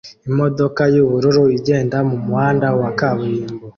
Imodoka yubururu igenda mumuhanda wa kaburimbo